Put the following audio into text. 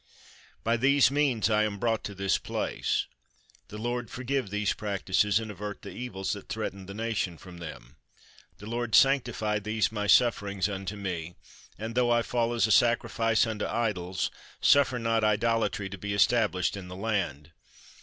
By these means I am brought to this place. The Lord forgive these practises, and avert the evils that threaten the nation from them. The Lord sanctify these my sufferings unto me, and tho I fall as a sacrifice unto idols, suffer not idola try to be established in the land.